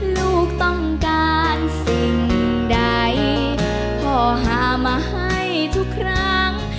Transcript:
ลูกต้องการสิ่งใดพ่อหามาให้ทุกครั้ง